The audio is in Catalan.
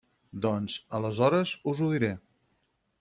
-Doncs, aleshores us ho diré…